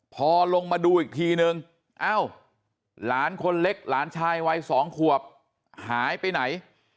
พอลงมาดูอีกทีนึงเอ้าหลานคนเล็กหลานชายวัย๒ขวบหายไปไหน